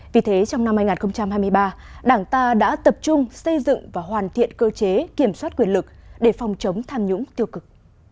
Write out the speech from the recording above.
vì thế trong năm hai nghìn hai mươi ba đảng ta đã tập trung xây dựng và hoàn thiện cơ chế kiểm soát quyền lực để phòng chống tham nhũng tiêu cực